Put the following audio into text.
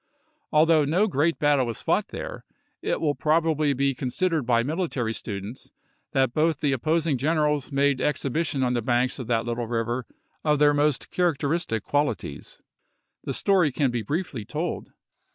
Although no great battle was fought there, it will probably be considered by military students that both the op posing generals made exhibition on the banks of that little river of their most characteristic quali ties. The story can be briefly told.